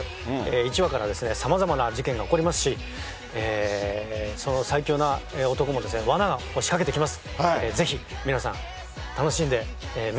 １話からさまざまな事件が起こりますし、その最凶な男も、わなを仕掛けてきます。